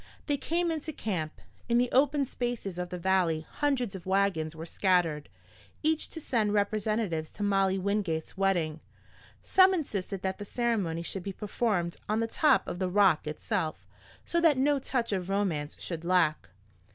They came into camp. In the open spaces of the valley hundreds of wagons were scattered, each to send representatives to Molly Wingate's wedding. Some insisted that the ceremony should be performed on the top of the Rock itself, so that no touch of romance should lack.